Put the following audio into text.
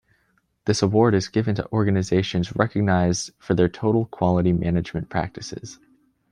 This award is given to organizations recognized for their total quality management practices.